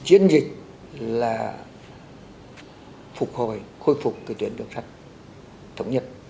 chiến dịch là phục hồi khôi phục tuyến đường sát thống nhất